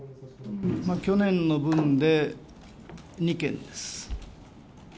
去年の分で、２件です。